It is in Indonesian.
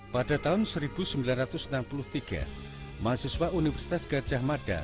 pada tahun seribu sembilan ratus enam puluh tiga mahasiswa universitas gajah mada